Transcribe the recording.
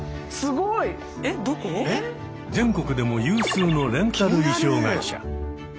全国でも有数のレンタル衣装会社。